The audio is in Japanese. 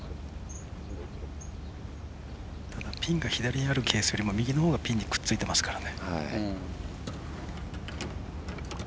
ただピンが左にあるケースよりも右のほうがピンにくっついてますからね。